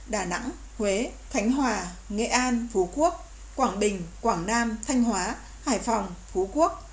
đà nẵng huế khánh hòa nghệ an phú quốc quảng bình quảng nam thanh hóa hải phòng phú quốc